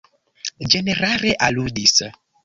Ĝenerale, aludis?